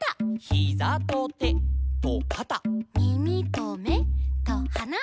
「ヒザとてとかた」「みみとめとはな」